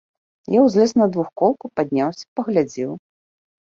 Я ўзлез на двухколку, падняўся, паглядзеў.